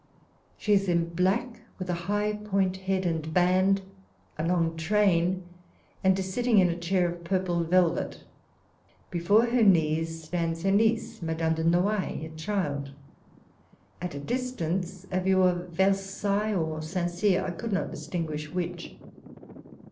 She is in black, with a high point head and band, a long train, and is sitting in a chair of purple velvet. Before her knees stands her niece Madame de Noailles, a child ; at a distance a view of Versailles or St. Cyr, I could not distinguish which.